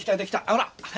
ほら！